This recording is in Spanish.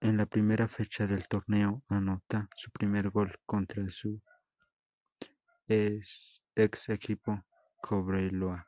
En la primera fecha del torneo, anota su primer gol contra su ex-equipo, Cobreloa.